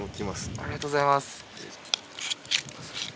ありがとうございます。